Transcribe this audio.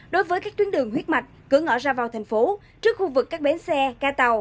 đối với các tuyến đường huyết mạch cửa ngõ ra vào thành phố trước khu vực các bến xe ca tàu